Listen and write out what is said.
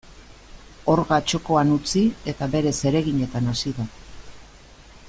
Orga txokoan utzi eta bere zereginetan hasi da.